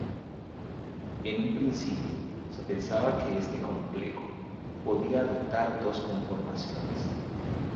En un principio se pensaba que este complejo podía adoptar dos conformaciones.